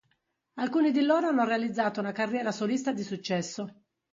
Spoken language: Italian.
Alcuni di loro hanno realizzato una carriera solista di successo.